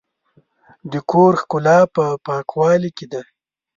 د کور ښکلا په پاکوالي کې ده.